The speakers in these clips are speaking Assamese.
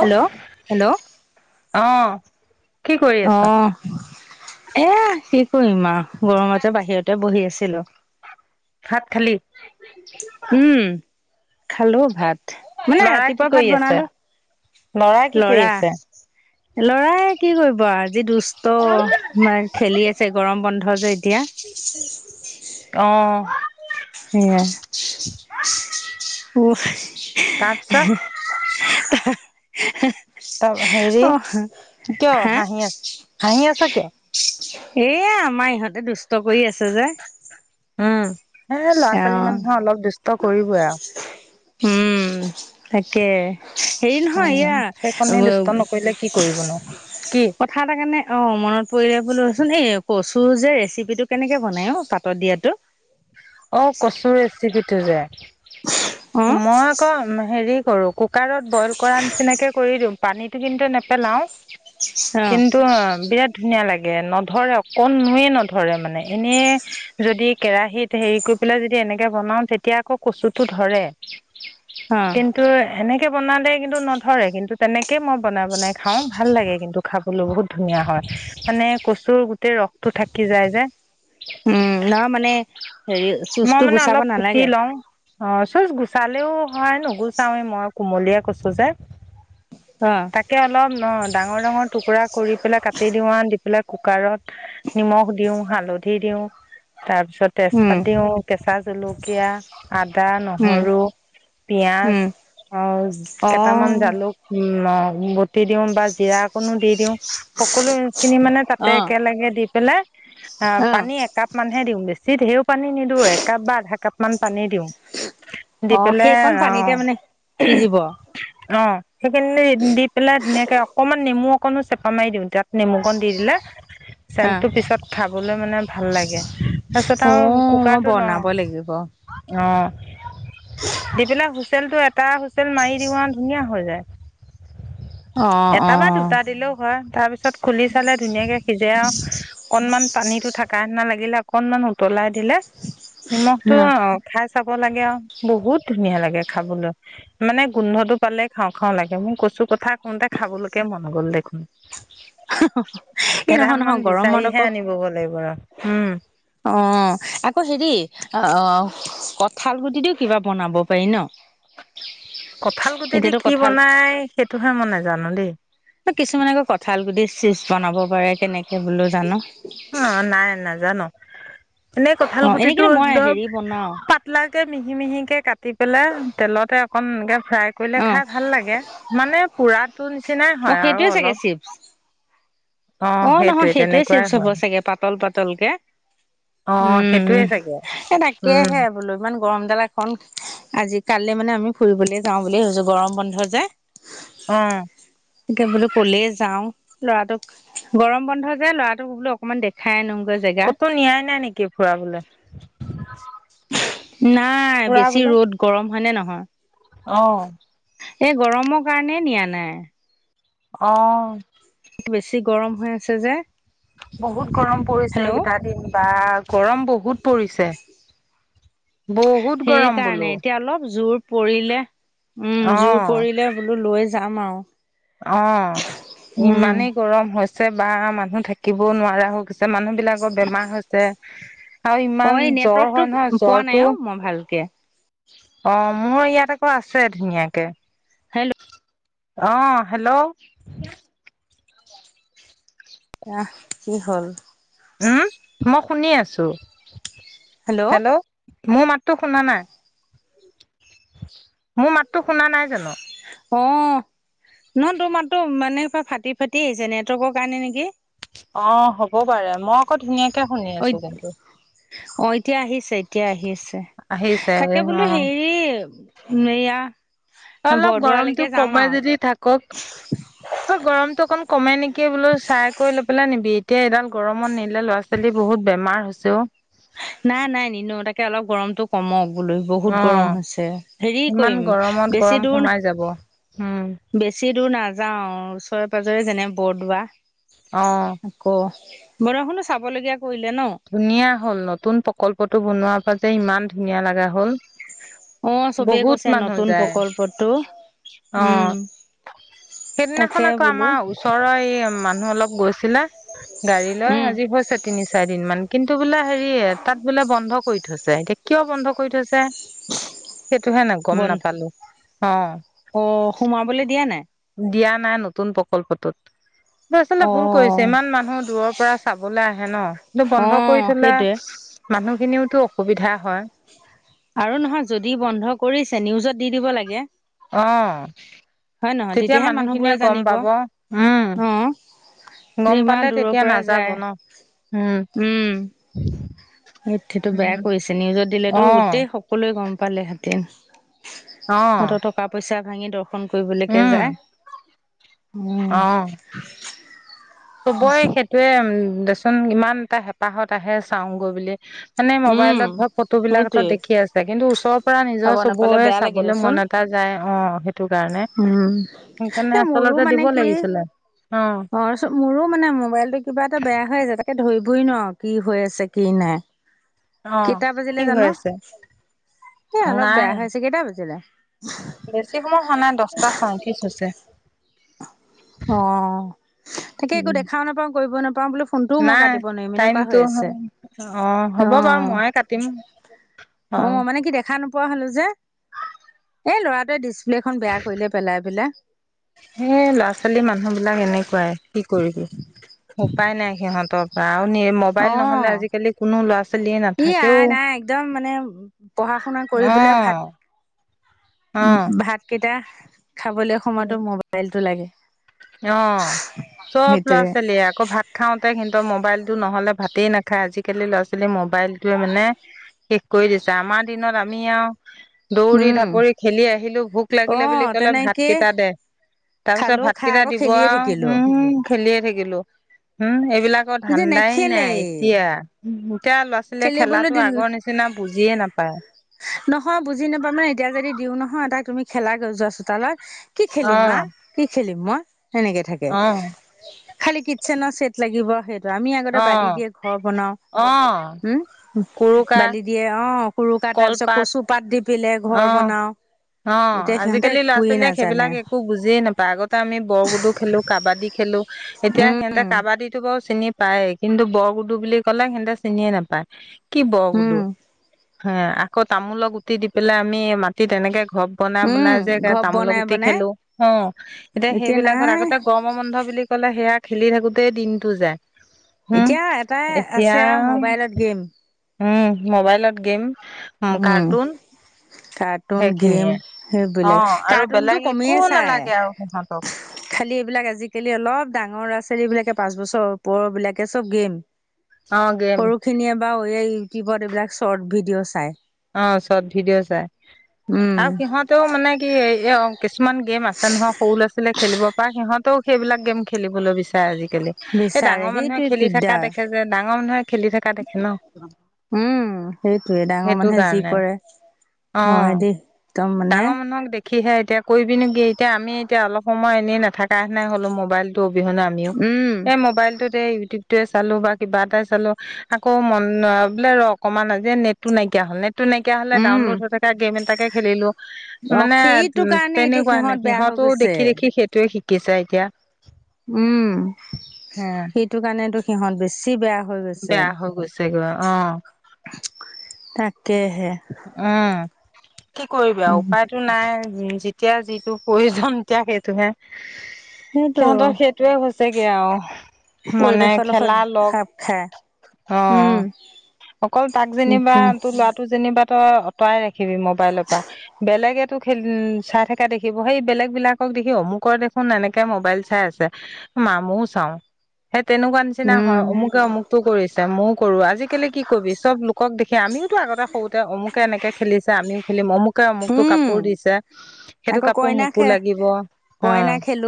Hello hello. অ। কি কৰি অ আছ? এ কি কৰিম আৰু গৰমতে বাহিৰতে বহি আছিলো। ভাত খালি? উম খালো ভাত মানে ল'ৰা কি ৰাতিপুৱা কৰি ভাত আছে? বনালো কি কৰি লৰা আছে? লৰাই কি কৰিব আজি দুষ্ট ম খেলি আছে গৰম বন্ধ যে এতিয়া অ সেয়া উ হে তাৰপিছত? ত' হেৰি সা অ কিয় হা হাঁহি আছ, হাঁহি আছ কিয়? এয়া আমাৰ ইহঁতে দুষ্ট কৰি আছে যে উম সেই ল'ৰা অ ছোৱালী মানুহে অলপ দুষ্ট কৰিবই আৰু উম তাকে হেৰি নহয় উম, এয়া সেইকণে উ দুষ্ট নকৰিলে কি কৰিবনো? কি? কথা এটা কাৰণে অঁ মনত পৰিলে বোলো ৰচোন এই কচু যে ৰেচিপিটো কেনেকৈ বনায় অ পাতত দিয়াটো অ কচু ৰেচিপিটো যে অ মই আকৌ হেৰি কৰো কুকাৰত বইল কৰা নিচিনাকে কৰি দিওঁ পানীটো কিন্তু নেপেলাও অ কিন্তু বিৰাট ধুনীয়া লাগে নধৰে অকণোৱে নধৰে মানে এনেই যদি কেৰাহীত হেৰি কৰি পেলাই যদি এনেকে বনাও তেতিয়া আকৌ কচুটো ধৰে হা কিন্তু সেনেকে বনালে কিন্তু নধৰে কিন্তু তেনেকে মই বনাই বনাই খাও ভাল লাগে কিন্তু খাবলৈ বহুত ধুনীয়া হয় মানে কচুৰ গোটেই ৰসটো থাকি যায় যে উম নহ মানে হেৰি মই চুজটো মানে গুচাব অলপ কুটি নালাগে লওঁ অ চুজ গুচালেও হয় নুগুচাওৱেই মই কুমলিয়া কচু যে অ তাকে অলপ অ ডাঙৰ ডাঙৰ টুকুৰা কৰি পেলাই কাটি দিওঁ আৰু কুকাৰত নিমখ দিও হালধি দিওঁ তাৰপিছত উম তেজপাত দিও কেঁচা জলকীয়া, আদা, উম নহৰু, পিয়াজ উম অ কেইটামান জালুক উম, বটি দিওঁ বা জিৰা অকণো দি দিওঁ সকলো খিনি মানে তাতে অ একেলগে দি পেলাই অহ অ পানী একাপ মানহে দিওঁ বেছি বেছি ধেৰ পানী নিদিওঁ একাপ বা আধা কাপ মান পানী দিওঁ দি অ পেলাই সেইকণ পানীতে অ'। মানে সিজিব অ অ' সেইখিনি দি পেলাই ধুনীয়াকে অকমান নেমু অকনো চেপা মাৰি দিওঁ তাত নেমু অকণ দি দিলে। চেনটো পিছত খাবলৈ মানে ভাল লাগে তাৰপিছত অ আৰু মই কুকাৰটো ন বনাব লাগিব অ অ দি পেলাই হুইচেলতটো এটা হুইচেল মাৰি দিওঁ আ ধুনীয়া হৈ যায় অ এটা বা দুটা দিলেও হয় তাৰপিছত খুলি চালে ধুনীয়াকে সিজে আৰু অকনমান পানীতো ধাকা [unintelligible] লাগিলে অকনমান উতলাই দিলে নিমখটো অ খাই চাব লাগে আৰু বহুত ধুনীয়া লাগে খাবলৈ মানে গোন্ধটো পালে খাওঁ খাওঁ লাগে মোৰ কচু কথা কওঁতে খাবলৈকে মন গ'ল দেখোন এই নহয় কেইডাল মান নহয় গৰমত বিচাৰিহে আকৌ আনিব লাগিব [unintelligible] উম। অ' আকৌ হেৰি অ' কঠাল গুটিটো কিবা বনাব পাৰি ন'। কঁঠাল গুটিদি এতিয়াতো কি কঁঠাল বনাই সেইটোহে মই নোজানো দেই। কিছুমানে আকৌ কঁঠাল গুটিৰ চিপছ বনাব পাৰে কেনেকে বোলো জানো অ' নাই নাজানো, এনেই কঁঠাল অ এনে গুটিটো কিন্তু মই একদম হেৰি বনাও পাত কিলাকে মিহি মিহিকে কাটি পেলাই তেলতে অকণ এনেকে ফ্ৰাই কৰিলে অ খাই ভাল লাগে মানে পুৰাটো নিচিনাই অ হয় আৰু সেইটোয়ে চাগে অলপ চিপছ অ' নহয় সেইটোৱে সেইটোয়ে তেনেকুৱাই চিপছ হ'ব হয় চাগে পাতল পাতলকে। অ উম সেইটোৱে উম চাগে উম এটাকহে বোলো ইমান গৰম দাল এখন আজি কালি মানে আমি ফুৰিবলে যাওঁ বুলিুল ভাবিছো গৰম বন্ধত যে অ তিয়া বোলো ক'লে যাও লৰাটোক গৰম বন্ধ যে ল'ৰাটোক বোলো অ অকমান দেখাই আনোগ গৈ জেগা। ক'তো নিয়াই নাই নেকি ফুৰাবলে নাই বেছি ফুৰাবলে ৰ'দ গৰম হয় নে নহয় অ এই গৰমৰ কাৰণে নিয়া নাই। অ বেছি গৰম হৈ আছে যে। বহুত গৰম পৰিছে হেল্ল' কেইটা দিন বা গৰম বহুত। পৰিছে, বহুত গৰম সেইকাৰণে বোলো। এতিয়া অলপ জোৰ পৰিলে উম অ জোৰ পৰিলে বোলো লৈ যাম আৰু অ' উম ইমানেই গৰম হৈছে বা মানুহ থাকিবও নোৱাৰা হৈ মানুহ বিলাকৰ বেমাৰ হৈছে। আৰু অ ইমান এই জ্বৰ নেটৱৰ্কটো হয় নহয় পোৱা নাই জ্বৰটো অ মই ভালকে অ' মোৰ ইয়াত আকৌ আছোৱেই ধুনীয়াকে, হেল্ল' অ'। হেল্ল'। অ' কি হ'ল। উম, মই শুনি আছো, হেল্ল' মোৰ মাতটো শুনা নাই। মোৰ মাততো শুনা নাই জানো। অ নহ তোৰ মাতটো মানে ফাটি ফাটি আহিছে নেটৱৰ্কৰ কাৰণে নেকি অ' হ'ব পাৰে মই আকৌ ধুনীয়াকে শুনি অ আছো কিন্তু। অ' এতিয়া আহিছে এতিয়া আহি আছে আহিছে তাকে বোলো অ হেৰি। উম, এয়া অলপ বৰদোৱালৈকে গৰমতটো যাম কমাই আৰু যদি থাক কওক গৰমটো অকন কমে নেকি বোলো চাই কৰি লৈ পেলাই নিবি এতিয়া এডাল গৰমত নিিলে ল'ৰা ছোৱালী বহুত বেমাৰ হৈছেও নাই নাই নিনু তাকে অলপ গৰমটো কমক বোল বহুত অ গৰম হৈছে, হেৰি ইমান কৰিম গৰমত বেছি গৰম দূৰ ন'। সোমাই যাব উম। বেছি দূৰ নাযাওঁ ওচৰে পাজৰে যেনে বৰদোৱা। অ'। ক বৰষুনো চাবলগীয়া কৰিলে ন ধুনীয়া হ'ল নতুন প্ৰকল্পটো বনোৱাৰ পা যে ইমান ধুনীয়া লগা হ'ল অ চবেই বহুত কৈছে মানুহ নতুন যায় প্ৰকল্পতো অ উম তাকে সেইদিনাখন আকৌ বোলো আমাৰ ওচৰৰ এই মানুহ অলপ গৈছ আছিলে, গাড়ী লৈ উম আজি হৈছে তিনি চাৰি দিনমান কিন্তু বোলে হেৰি তাত বোলে বন্ধ কৰি থৈছে এতিয়া কিয় বন্ধ কৰি থৈছে সেইটোহে নে গ'ম বন্ধ নাপালো অ'। অ' সোমাবলে দিয়া নাই। দিয়া নাই নতুন প্ৰকল্পটোত এটো আচলতে অ ভুল কৰিছে ইমান মানুহ দূৰ পৰা চাবলৈ আহে ন' কিন্তু অ বন্ধ কৰি থ'লে সেইটোৱে মানুহ খিনিওতো অসুবিধা হয়। আৰু নহয় যদি বন্ধ কৰিছে নিউজত দি দিব লাগে। অ হয় নহয় তেতিয়া তেতিয়াহে মানুহখিনিয়ে মানুহবোৰে গম জানিব পাব উম অ যে গম ইমান পালে দূৰৰ তেতিয়া পৰা নাযাব যায় ন' উম। এ সেটো বেয়া কৰিছে নিউজত অ দিলেতো গোটেই সকলোৱে গম পালে হেঁতেন। অ সিহঁতৰ টকা পইচা ভাঙি দৰ্শন কৰিবলৈকে উম যায় উম। অ চবৰে সেইটোয়ে উম দেচোন ইমান এটা হেঁপাহত আহে চাওঁগৈ বুলি মানে উম মোবাইলত ধৰ ফটোবিলাক ত সেইটোৱে দেখি আছে কিন্তু ওচৰৰ পৰা চাব নিজৰ নাপালে চুবহে বেয়া লাগে চাবলৈ দেচোন মন এটা যায় অ সেইটো কাৰণে উম এ সেইকাৰণে মোৰো আচলতে মানে দিব কি লাগিছিলে অ অ চ মোৰো মানে মোবাইলটো কিবা এটা বেয়া হৈ আছে তাকে ধৰিবই নোৱাৰো কি হৈ আছে কি নাই কেইটা বাজিলে কি হৈ জানো, আছে? এ অলপ নাই বেয়া হৈছে কেইটা বাজিলে। বেছি সময় হোৱা নাই দচটা চয়ত্ৰিছ হৈছে অ তাকে একো উম দেখাও নাপাওঁ কৰিব নাপাওঁ বোলো ফোনটোও মই নাই কাটিব নোৱাৰিম এনেকুৱা টাইমটো হৈ আছে অ হ'ব বাৰু ময়ে কাটিম। অ মানে কি দেখ দেখা নোপোৱা হ'লোঁ যে, এই ল'ৰাটোৱে ডিছপ্লেখন বেয়া কৰিলে পেলাই পেলাই। এ ল'ৰা ছোৱালী মানুহ বিলাক এনেকুৱাই কি কৰিবি উপায় নাই সিহঁত সিহঁতৰ পৰাও নে অ মোবাইল নহলে আজিকালি কোনো ল'ৰা ছোৱালীয়ে ই আই নাথাকেও নাই একদম মানে পঢ়া শুনা কৰি বলে অ ভা- অ ভাতকেইটা খাবলে সময়তো মোবাইলটো লাগে। অ চব ল'ৰা সেইটোয়ে ছোৱালীয়ে আকৌ ভাত খাওঁতে কিন্তু মোবাইলটো নহ'লে ভাতেই নাখায় আজিকালি ল'ৰা ছোৱালী মোবাইলটোৱে মানে। শেষ কৰি দিছে আমাৰ দিনত আমি আও দৌৰি উম ধাপৰি খেলি আহিলো ভোক অ লাগিলে বুলি ক'লে ভাত তেনেকে কেইটা দে। তাৰ পিছত খালো খাই ভাতকেইটা আকৌ দিব খেলিয়ে আৰু থাকিলো হোম খেলিয়ে থাকিলো হোম এইবিলাক কত এতিয়া ধান্দা নেখেলেই নাই এতিয়া এতিয়া ল'ৰা ছোৱালীয়ে খেলিবলৈ খেলাটো দিল আগৰ নিচিনা বুজিয়ে নাপায় নহয় বুজি নাপাওঁ মানে এতিয়া যদি দিওঁ নহয় তাত তুমি খেলা গৈ যোৱা চোতালত। কি খেলিম মা অ', কি খেলিম মই সেনেকে থাকে অ', খালি কিটচেনৰ চেট লাগিব সেইটো আমি আগতে বালি অ', দিয়ে ঘৰ বনাও অ'। উম, কুৰুকা বালি দিয়ে অ' কুৰুকা তাৰ পিছত কলপাত কচু পাত দি পেলাই ঘৰ অ', বনাওঁ। অ আজিকালি ল'ৰা ছোৱালীয়েক সেইবিলাক একো বুজিয়ে নাপ পায় আগতে আমি বৰ গুডো খেলো কাবাডী খেলো এতিয়া সিহঁতে উম কাবাডী বাৰু চিনি পায় কিন্তু বৰগুডু বুলি ক'লে সিহঁতে চিনিয়ে নাপায় কি বৰ গোদো উম হ আকৌ তামোলক গুটি দি পেলাই আমি মাটিত এনেকে ঘৰ বনা উম বনাই যে ঘৰ তামোলক বনাই গুটি বনাই খেলো অ এতিয়া সেইবিলাকত আগতে গ গৰম বন্ধ বুলি ক'লে সেয়া খেলি থাকোতেই দিনটো যায় হম এতিয়া এটাই এতিয়া আছে আৰু মোবাইলত গেম উম মোবাইলত গেম, উম কাৰ্টুন কাৰ্টুন গেম সেইখিনিয়ে অ সেইবিলাক আৰু কাৰ্টুনটো বেলেগ একো কমিয়ে নালাগে আৰু সিহঁতক চাই খালি এইবিলাক আজিকালি অলপ ডাঙৰ ল'ৰা ছোৱালী বিলাকে পাঁচ বছৰ ওপৰ বিলাকে চব গেম। অ গেম। সৰু খিনিয়ে বাৰ এই ইউটিউবত এইবিলাক শৰ্ট ভিডিঅ' চায়। অ চৰ্ট ভিডিঅ' চাই উম আৰু সিহঁতেও মানে কি কিছুমান গেম আছে নহয় সৰু ল'ৰা ছোৱালীয়ে খেলিবৰ পৰা সিহঁতেও সেইবিলাক গেম খেলিবলৈ বিচাৰে আজিকালি। এই বিচাৰে ডাঙৰ মানুহে সেইটোৱে খেলি থকা দিগদাৰ দেখে যে ডাঙৰ মানুহে খেলি থকা দেখে ন। উম সেইটোৱে ডাঙৰ সেইটো মানুহে যি কাৰণে কৰে অ হয় দেই। মানে ডাঙৰ মানুহক দেখি। সিহে এতিয়া কৰিবি নোকি এতিয়া আমি এতিয়া অলপ সময় এনেই নথকাে নাই হ'লো মোবাইলটো অবিহনে আমি, নিও উম এই মোবাইলটোতে উটিউব য়ে চালো বা কিবা এটাই চালো আকৌ মন বোলে ৰ অকমান আজি নেটো নাইকিয়া হ'ল নে, নেটো নাইকিয় হলে উম ডাউনলোড হৈ থকা গেম এটাকে খেলিলো। অ মানে সেইটো উ কাৰণে এতিয়া তেনেকুৱা সিহঁত নাই বেয়া হৈ সিহঁতও গৈছে দেখি দেখি সেইটোৱে শিকিছে এতিয়া। উম হে সেইটো কাৰণেতো সিহত বেছি বেয়া। হৈ গৈছে বেয়া হৈ গৈছে গৈ অ। তাকেহে। উম কি কৰিবি আৰু উম উপায় টো নাই যেতিয়া যিটো প্ৰয়োজন তেতিয়া সেইটো হে সেইটো সিহঁতৰ সেই, সেইটোৱে হৈছেগে আৰু মানে পৰিৱেশৰ লগত খেলা লগ খাপ খাই অ উম অকল তাক যেনিবা তাকেই তোৰ ল'ৰাটো যেনিবা তই আঁতৰাই ৰাখিবি মোবাইলৰ পৰা। বেলেগেতো খেল চাই থকা দেখিব সেই বেলেগ বিলাকক দেখি অমুকৰ দেখোন এনেকে মোবাইল, চাই আছে মা ময়ো চাও সেই তেনেকুৱা, নিচিনা হয় উম অমুকে অমুকতো কৰিছে ময়ো কৰো আজিকালি। কি কৰিবি চব লোকক দেখি আমিও আগতে সৰুতে অমুকে এনেকে খেলিছে আমিও খেলিম অমুক, অমুকটো উম কাপোৰ দিছে সেইটো আকৌ কাপোৰ কইনা মোকো খে লাগিব অ, কইনা খেলো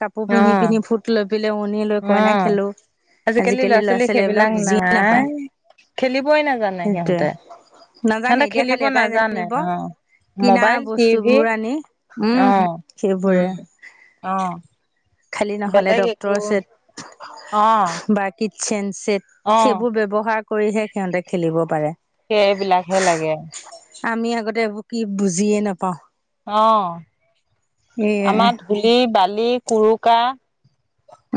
কাপোৰ অ পিন্ধি পিনি ফুত লৈ পিনে উনি লৈ অ কইনা খেলো আজিকালি ল'ৰা ছোৱালী এইবিলাক বুজিয়ে নাপায়। খেলিবই নাজানে সেইটোয়ে সিহঁতে নাজানে সিহঁতে এতিয়া খেলিব খালি এটাই নাজানে জানিব অ, কিনা মোবাইল টভি বস্তুবোৰ আনি অ উম সেইবোৰে উম অ, খালী নহ'লে বেলেগ একো ডক্তৰে অ ছেদ বা, কিটচেন ছেট অ সেইবোৰ ব্যৱহাৰ কৰিহে সিহঁতে খেলিব পাৰে। এইবিলাকহে লাগে। আমি আগতে এইবোৰ কি বুজিয়ে নাপাওঁ। অ এয়াই আমাৰ ধূলি বালি কুৰুকা।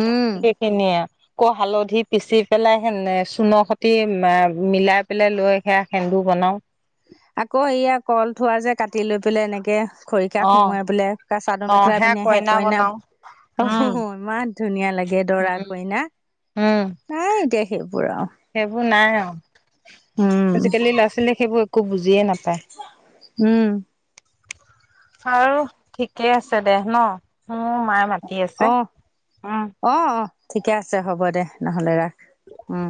উম সেইখিনি এ, আকৌ হালধি পিচি পেলাই চূণৰ সতি মিলাই পেলাই লৈ সেয়া সেন্দু বনাওঁ। আকৌ এইয়া কল থোৱা যে কাটি লৈ পেলাই এনেকে। খৰিকা অ সোমোৱাই বোলে ক চাদৰ মেখেলা সেয়া পিন্ধি সে কইনা। বনাও অ উম উম ইমান ধুনীয়া লাগে দৰা কইনা। উম নাই এতিয়া সেইবোৰ আৰু সেইবোৰ নাই আৰু উম আজিকালি ল'ৰা ছোৱালীয়ে সেইবোৰ একো বুজিয়ে নাপায়। উম, বৰু ঠিকে আছে দে ন মোৰ মায়ে মাতি আছে অ', উম, অ অ ঠিকে আছে হ'ব দে নহ'লে ৰাখ উম।